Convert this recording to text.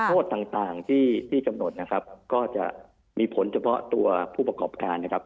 โทษต่างที่กำหนดนะครับก็จะมีผลเฉพาะตัวผู้ประกอบการนะครับ